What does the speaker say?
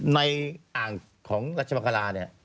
ในอ่างของรัชมังกราเนี่ย